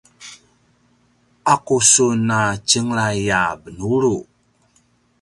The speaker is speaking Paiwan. aqu sun a tjenglay a benuru?